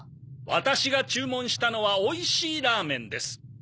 ワタシが注文したのはおいしいラーメンです。